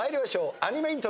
アニメイントロ。